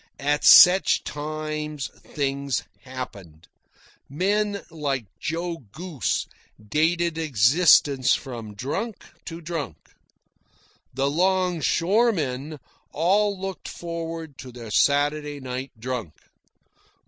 At such times things happened. Men like Joe Goose dated existence from drunk to drunk. The longshoremen all looked forward to their Saturday night drunk.